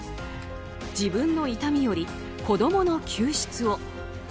自分の痛みより子供の救出を。